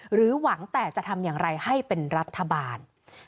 หรือหวังแต่จะทำอย่างไรให้เป็นรัฐบาล